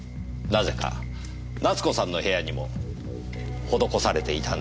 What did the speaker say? なぜか奈津子さんの部屋にも施されていたんですよ。